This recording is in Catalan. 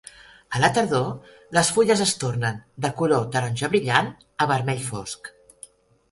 A la tardor les fulles es tornen de color taronja brillant a vermell fosc.